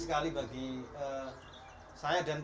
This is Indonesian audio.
serta membangun perusahaan yang berbeda